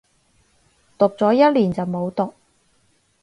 讀咗一年就冇讀